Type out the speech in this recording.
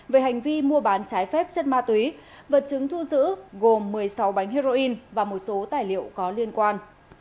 về hành vi mua bán trái phép chất ma túy vật chứng thu giữ gồm một mươi sáu bánh heroin và một số tài liệu có liên quan